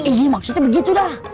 iya maksudnya begitu dah